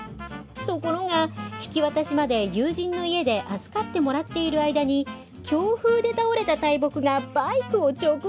ところが引き渡しまで友人の家で預かってもらっている間に強風で倒れた大木がバイクを直撃。